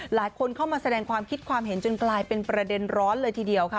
หลายคนเข้ามาแสดงความคิดความเห็นจนกลายเป็นประเด็นร้อนเลยทีเดียวค่ะ